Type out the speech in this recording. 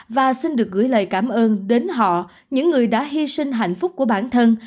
và xin được gửi lời cảm ơn đến họ những người đã hy sinh hạnh phúc của bản thân